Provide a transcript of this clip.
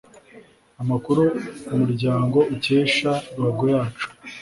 Amakuru Umuryango ukesha Ruhagoyacu